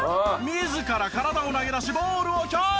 自ら体を投げ出しボールをヒョイ！